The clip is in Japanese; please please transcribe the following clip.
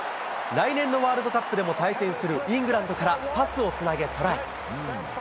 来年のワールドカップでも対戦するイングランドからパスをつなげ、トライ。